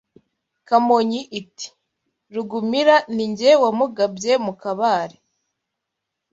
Kamonyi iti: Rugumira Ni jye wamugabye mu Kabare